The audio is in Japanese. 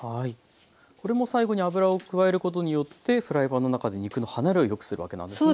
これも最後に油を加えることによってフライパンの中で肉の離れをよくするわけなんですね。